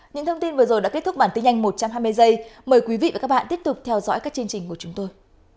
những thông tin vừa rồi đã kết thúc bản tin nhanh một trăm hai mươi giây mời quý vị và các bạn tiếp tục theo dõi các chương trình của chúng tôi